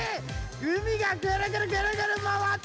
うみがぐるぐるぐるぐるまわってる！